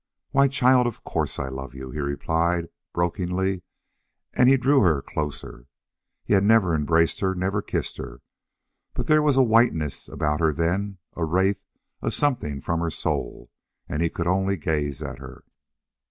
"Why, child! Of course I love you," he replied, brokenly, and he drew her closer. He had never embraced her, never kissed her. But there was a whiteness about her then a wraith a something from her soul, and he could only gaze at her.